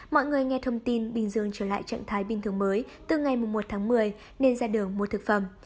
mọi người nghe thông tin bình dương trở lại trạng thái bình thường mới từ ngày một tháng một mươi nên ra đường mua thực phẩm